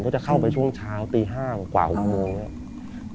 เค้าจะเข้าไปช่วงเช้าตี้ห้างกว่าหุ่นโมง